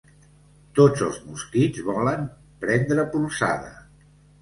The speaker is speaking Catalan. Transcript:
Tots els mosquits volen prendre polzada.